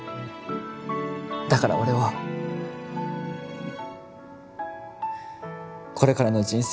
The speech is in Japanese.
だから俺はこれからの人生